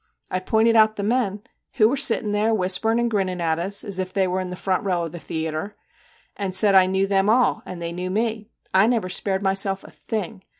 I pointed out the men who were sitting there, whispering and grinning at us, as if they were in the front row of the theatre and said I knew them all, and they knew me. I never spared myself a thing.